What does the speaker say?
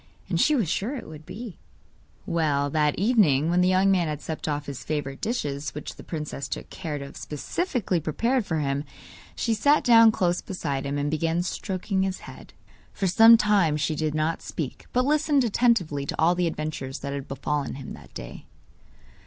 And she was sure it would be! Well, that evening, when the young man had supped off his favourite dishes which the princess took care to have specially prepared for him, she sat down close beside him, and began stroking his head. For some time she did not speak, but listened attentively to all the adventures that had befallen him that day.